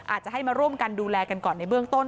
อาจจะให้มาร่วมกันดูแลกันก่อนในเบื้องต้น